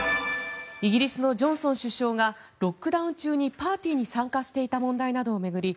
イギリスのジョンソン首相がロックダウン中にパーティーに参加していた問題などを巡り